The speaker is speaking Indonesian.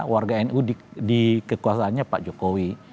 warga nu dikekuasainya pak jokowi